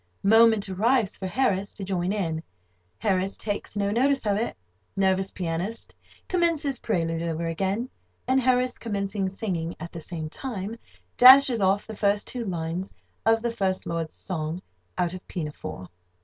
Moment arrives for Harris to join in. Harris takes no notice of it. Nervous pianist commences prelude over again, and Harris, commencing singing at the same time, dashes off the first two lines of the First Lord's song out of "Pinafore."